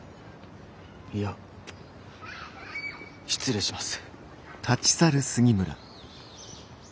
いや失礼します。